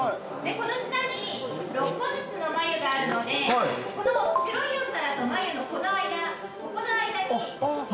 この下に６個ずつの繭があるのでこの白いお皿と繭のこの間ここの間に。